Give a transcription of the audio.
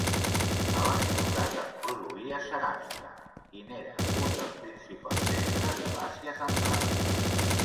A la ciutat es produïa ceràmica, i n'era un dels principals centres de l'Àsia Central.